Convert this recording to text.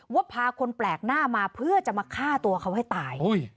ว่าพาคนแปลกหน้ามาเพื่อจะมาฆ่าตัวเขาให้ตาย